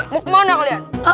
mau kemana kalian